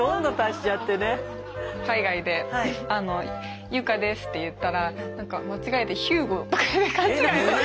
海外で「佑果です」って言ったら何か間違えて「ヒューゴ」とか勘違いされて。